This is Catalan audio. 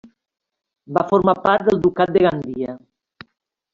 Va formar part del ducat de Gandia.